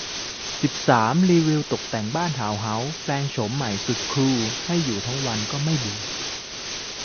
สิบสาม รีวิวตกแต่งบ้านทาวน์เฮ้าส์ แปลงโฉมใหม่สุดคูล ให้อยู่ทั้งวันก็ไม่เบื่อ